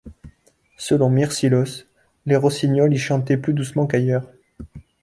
Selon Myrsilos, les rossignols y chantaient plus doucement qu'ailleurs.